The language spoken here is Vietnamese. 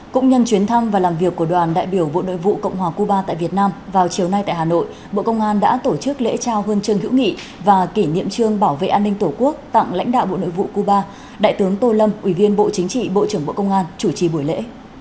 cũng nhân chuyến thăm và làm việc của đoàn đại biểu bộ nội vụ cộng hòa cuba tại việt nam vào chiều nay tại hà nội bộ công an đã tổ chức lễ trao huân chương hữu nghị và kỷ niệm trương bảo vệ an ninh tổ quốc tặng lãnh đạo bộ nội vụ cuba đại tướng tô lâm ủy viên bộ chính trị bộ trưởng bộ công an chủ trì buổi lễ